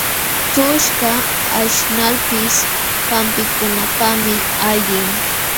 Tuqushkaq aśhnalpis hampikunapaqmi allin.